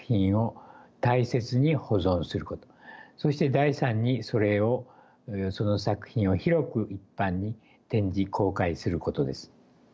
そして第三にその作品を広く一般に展示公開することです。